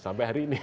sampai hari ini